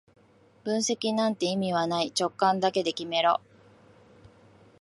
分析なんて意味はない、直感だけで決めろ